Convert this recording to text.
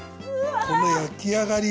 この焼き上がり。